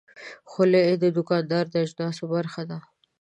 خولۍ د دوکاندار د اجناسو برخه ده.